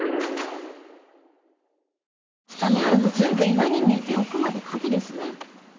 下にあるの全部、岩に見えて奥までカキですね。